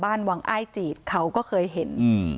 บ้านวังอ้ายจีดเขาก็เคยเห็นอืม